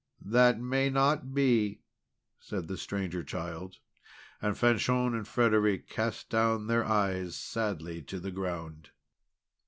"That may not be," said the Stranger Child. And Fanchon and Frederic cast down their eyes sadly to the ground.